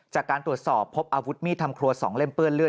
จากการตรวจสอบพบอาวุธมีดทำครัว๒เล่มเปื้อนเลือ